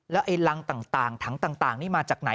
ไอ้รังต่างถังต่างนี่มาจากไหน